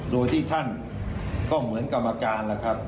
โดยที่ท่านก็เหมือนกรรมการแล้วครับ